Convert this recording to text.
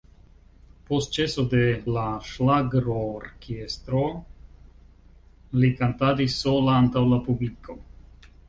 Post ĉeso de la ŝlagrorkestro li kantadis sola antaŭ la publiko.